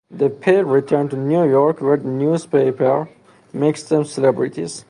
The pair return to New York where the newspaper makes them celebrities.